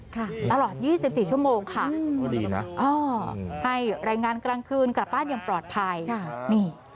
ค่ะตลอด๒๔ชั่วโมงค่ะอ๋อให้รายงานกลางคืนกลับบ้านยังปลอดภัยนี่